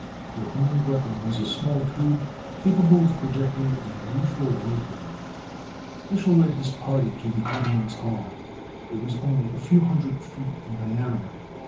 Their only weapon was a small tube capable of projecting a lethal light ray. Mich'l led his party to the audience hall. It was only a few hundred feet in diameter.